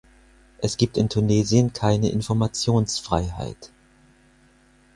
Es gibt in Tunesien keine Informationsfreiheit.